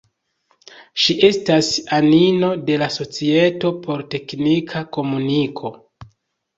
Ŝi estas anino de la Societo por Teknika Komuniko.